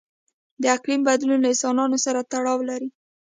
د اقلیم بدلون له انسانانو سره تړاو لري.